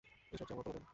এই সব যে আমার পোলাপাইন।